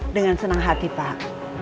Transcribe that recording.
dengan senang hati pak